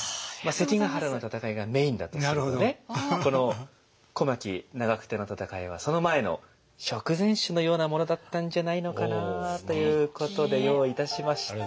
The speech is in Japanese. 関ヶ原の戦いがメインだとするとねこの小牧・長久手の戦いはその前の食前酒のようなものだったんじゃないのかなということで用意いたしました。